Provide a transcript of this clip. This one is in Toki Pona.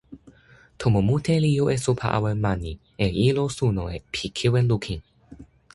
tomo mute li jo e supa awen mani, e ilo suno pi kiwen lukin!